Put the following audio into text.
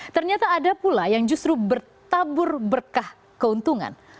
ternyata ada pula yang justru bertabur berkah keuntungan